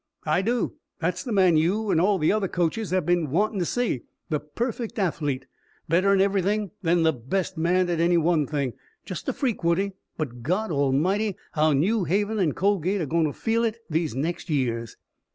"I do. That's the man you an' all the other coaches have been wantin' to see. The perfect athlete. Better in everything than the best man at any one thing. Just a freak, Woodie but, God Almighty, how New Haven an' Colgate are goin' to feel it these next years!"